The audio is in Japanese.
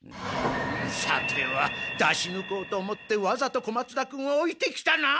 さては出しぬこうと思ってわざと小松田君をおいてきたな！？